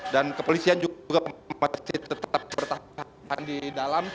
dan kepolisian juga tetap bertahan di dalam